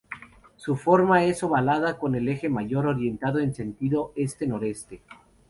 Su forma es ovalada, con el eje mayor orientado en sentido este noreste.